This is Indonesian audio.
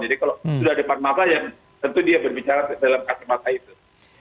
jadi kalau sudah di depan masa ya tentu dia berbicara dalam kata mata itu